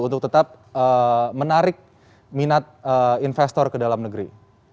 untuk tetap menarik minat investor ke dalam negeri